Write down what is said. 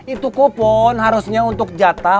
itu kupon harusnya untuk jatah